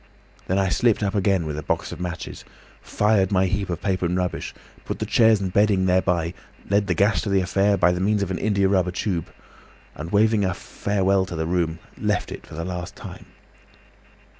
Then I slipped up again with a box of matches, fired my heap of paper and rubbish, put the chairs and bedding thereby, led the gas to the affair, by means of an india rubber tube, and waving a farewell to the room left it for the last time."